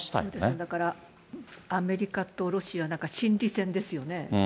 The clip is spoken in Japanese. だから、アメリカとロシア、なんか心理戦ですよね。